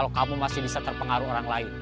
liat di pagerseng